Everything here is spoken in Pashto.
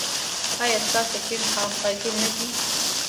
ایا ستاسو ټیم همغږی نه دی؟